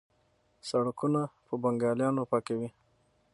سړکونه په بنګالیانو پاکوي.